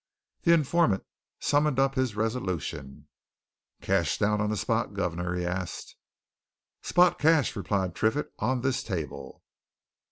The informant summoned up his resolution. "Cash down on the spot, guv'nor?" he asked. "Spot cash," replied Triffitt. "On this table!"